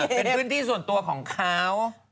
เป็นพื้นที่ส่วนตัวของเขา